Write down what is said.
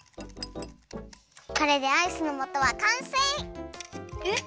これでアイスのもとはかんせい！